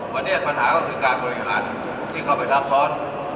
วันนี้ปัญหาก็คือการบริหารที่เข้าไปซับซ้อน